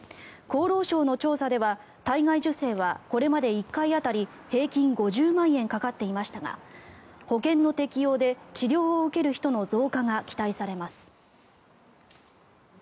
厚労省の調査では体外受精はこれまで１回当たり平均５０万円かかっていましたが保険の適用で治療を受ける人の増加が期待されます。